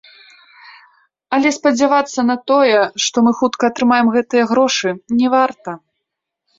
Але спадзявацца на тое, што мы хутка атрымаем гэтыя грошы, не варта.